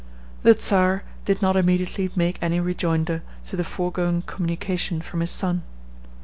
The Czar did not immediately make any rejoinder to the foregoing communication from his son.